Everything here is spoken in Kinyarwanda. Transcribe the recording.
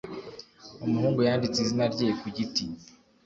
Umuhungu yanditse izina rye ku giti.